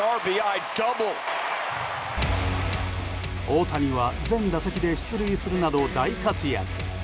大谷は全打席で出塁するなど大活躍。